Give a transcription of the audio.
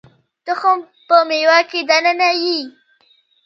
تخم په مېوه کې دننه وي